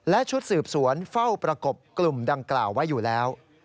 และชุดสืบสวนเฝ้าประกบกลุ่มดังกล่าวไว้อยู่แล้ว